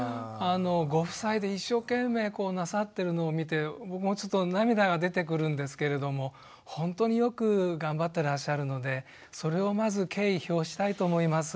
ご夫妻で一生懸命なさってるのを見て僕もちょっと涙が出てくるんですけれどもほんとによく頑張ってらっしゃるのでそれをまず敬意表したいと思います。